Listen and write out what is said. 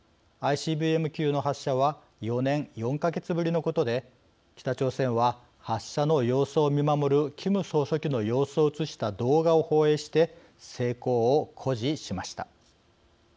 ＩＣＢＭ級の発射は４年４か月ぶりのことで北朝鮮は、発射の様子を見守るキム総書記の様子を映した動画を放映して成功を誇示しました。